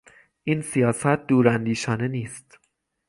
این سیاست دوراندیشانه نیست.